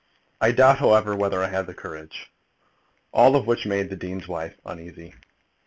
I doubt, however, whether I have the courage." All of which made the dean's wife uneasy.